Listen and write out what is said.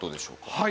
はい。